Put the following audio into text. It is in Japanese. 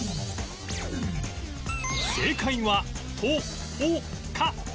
正解は「とおか」